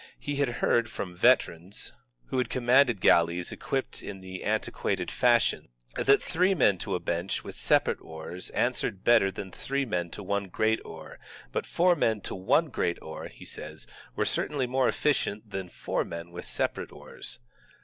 ON MEDI/EVAL WAR GALLEYS jts who had commanded galleys equipped in the antiquated fashion, that three men to a bench, with separate oars, answered better than three men to one great oar, but four men to one great oar (he says) were certainly more efficient than four men with separate oars.